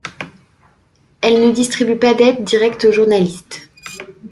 Elle ne distribue pas d'aide directe aux journalistes.